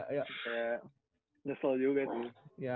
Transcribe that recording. kayak nyesel juga tuh